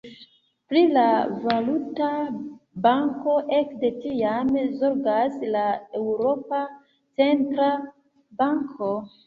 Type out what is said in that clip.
Pri la valuta banko ekde tiam zorgas la Eŭropa Centra Banko.